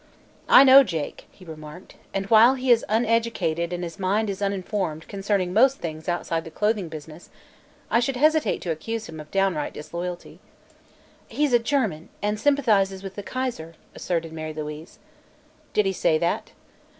"I know Jake," he remarked, "and while he is uneducated and his mind is unformed concerning most things outside the clothing business, I should hesitate to accuse him of downright disloyalty." "He's a German, and sympathizes with the Kaiser," asserted Mary Louise. "Did he say that?"